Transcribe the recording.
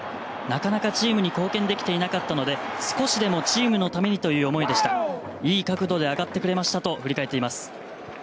なかなかチームに貢献できていなかったので少しでもチームのためにという思いでしたいい角度で上がってくれましたと振り返っています。